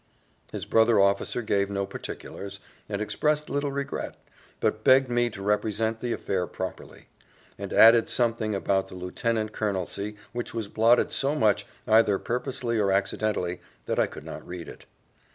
His brother officer gave no particulars, and expressed little regret, but begged me to represent the affair properly; and added something about the lieutenant colonelcy, which was blotted so much, either purposely or accidentally, that I could not read it.